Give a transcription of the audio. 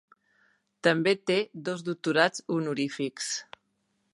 També té dos doctorats honorífics.